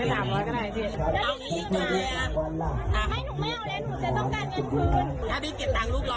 เพราะว่าพี่อ่ะยืนใส่เงินหนู